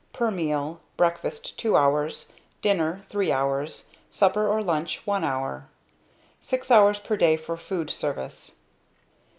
per meal breakfast two hours, dinner three hours, supper or lunch one hour six hours per day for food service.